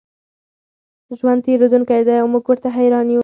ژوند تېرېدونکی دی او موږ ورته حېران یو.